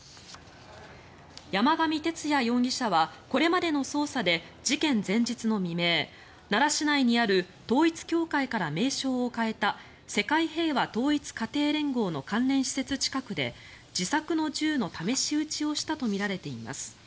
山上徹也容疑者はこれまでの捜査で事件前日の未明奈良市内にある統一教会から名称を変えた世界平和統一家庭連合の関連施設近くで自作の銃の試し撃ちをしたとみられています。